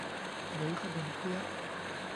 หรือขนมเปี๊ยะ